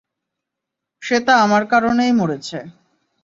শ্বেতা আমার কারণেই মরেছে।